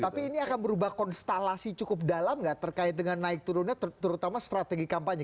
tapi ini akan berubah konstelasi cukup dalam nggak terkait dengan naik turunnya terutama strategi kampanye